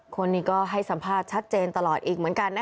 คนนี้ก็ให้สัมภาษณ์ชัดเจนตลอดอีกเหมือนกันนะ